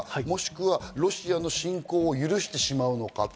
もしくはロシアの侵攻を許してしまうのか。